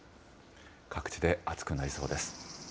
各地で暑くなりそうです。